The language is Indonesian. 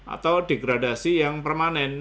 atau degradasi yang permanen